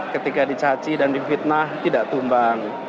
ketika dicaci dan difitnah tidak tumbang